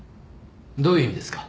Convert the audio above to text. どういう意味ですか？